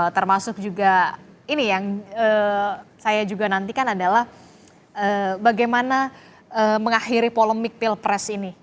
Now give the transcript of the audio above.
termasuk juga ini yang saya juga nantikan adalah bagaimana mengakhiri polemik pilpres ini